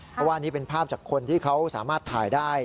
เพราะว่านี่เป็นภาพจากคนที่เขาสามารถถ่ายได้